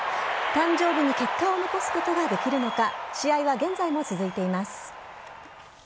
誕生日に結果を残すことができるのか試合は現在も続いています。